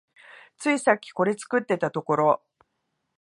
ついさっきこれ作ってたところ